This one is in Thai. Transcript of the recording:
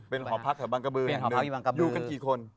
เป็นหอพักหรือบางกะบื้ออยู่กันกี่คน